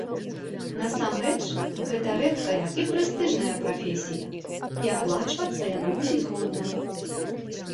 Насамрэч, гэта рэдкая і прэстыжная прафесія, і аплачвацца яна мусіць годна.